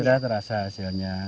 sudah terasa hasilnya